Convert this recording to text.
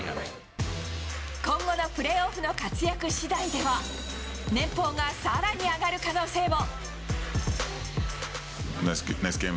今後のプレーオフの活躍しだいでは、年俸がさらに上がる可能性も。